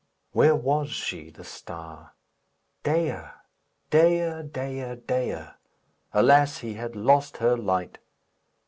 Where was she, the star? Dea! Dea! Dea! Dea! Alas! he had lost her light.